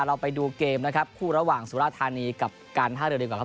เราไปดูเกมนะครับคู่ระหว่างสุราธานีกับการท่าเรือดีกว่าครับ